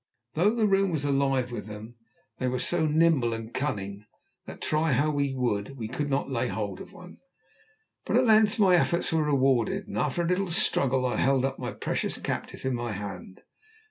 Though the room was alive with them they were so nimble and so cunning, that, try how we would, we could not lay hold of one. But at length my efforts were rewarded, and after a little struggle I held my precious captive in my hand.